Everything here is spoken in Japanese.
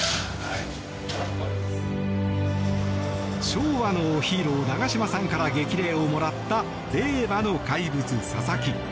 昭和のヒーロー、長嶋さんから激励をもらった令和の怪物、佐々木。